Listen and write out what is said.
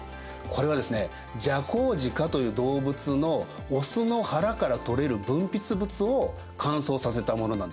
これはですねジャコウジカという動物の雄の腹から取れる分泌物を乾燥させたものなんです。